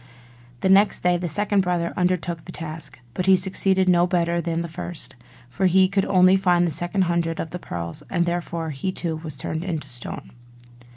The next day the second brother undertook the task; but he succeeded no better than the first; for he could only find the second hundred of the pearls; and therefore he too was turned into stone.